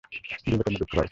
দিলে তোমরা দুঃখ পাবে।